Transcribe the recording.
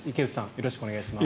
よろしくお願いします。